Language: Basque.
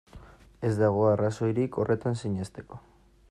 Ez dago arrazoirik horretan sinesteko.